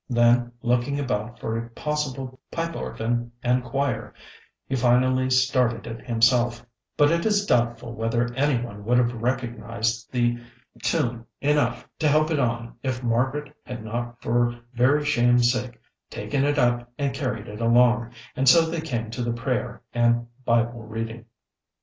Then, looking about for a possible pipe organ and choir, he finally started it himself; but it is doubtful whether any one would have recognized the tune enough to help it on if Margaret had not for very shame's sake taken it up and carried it along, and so they came to the prayer and Bible reading.